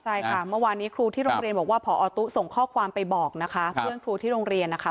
ใช่ค่ะเมื่อวานนี้ครูที่โรงเรียนบอกว่าพอตู้ส่งข้อความไปบอกนะคะเพื่อนครูที่โรงเรียนนะคะ